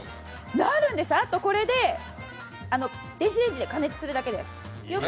なるんです、あとこれで電子レンジで加熱するだけです。